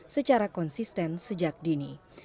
secara konsisten sejak dini